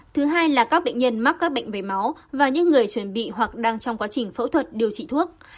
thứ hai là các bệnh nhân mắc các bệnh về máu và những người chuẩn bị hoặc đang trong quá trình phẫu thuật điều trị thuốc